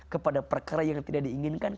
kepada perkara yang tidak diinginkan